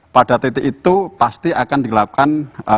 pada titik itu pasti akan dilakukan